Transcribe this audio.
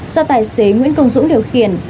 do tài xế nguyễn công dũng điều khiển